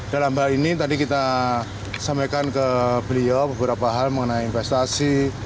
dalam hal ini tadi kita sampaikan ke beliau beberapa hal mengenai investasi